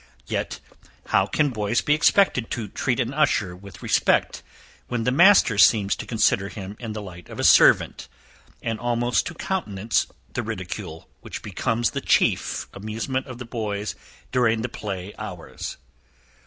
Yet, how can boys be expected to treat an usher with respect when the master seems to consider him in the light of a servant, and almost to countenance the ridicule which becomes the chief amusement of the boys during the play hours?